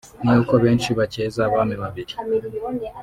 ni uko benshi bacyeza abami babiri